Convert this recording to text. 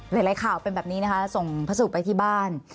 หลายข่าวเป็นแบบนี้นะคะส่งพระสุไปที่บ้าน